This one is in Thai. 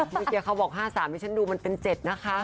เมื่อกี้เขาบอก๕๓ที่ฉันดูมันเป็น๗นะคะ